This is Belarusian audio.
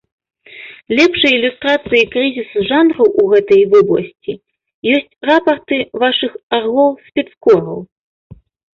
Лепшая ілюстрацыяй крызісу жанру ў гэтай вобласці, ёсць рапарты вашых арлоў-спецкораў.